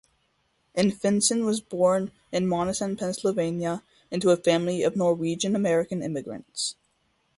Anfinsen was born in Monessen, Pennsylvania, into a family of Norwegian American immigrants.